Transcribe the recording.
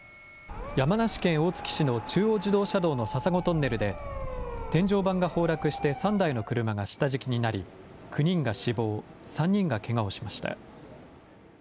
山梨県大月市の中央自動車道の笹子トンネルで、天井板が崩落して３台の車が下敷きになり、９人が死亡、３人がけがをしました。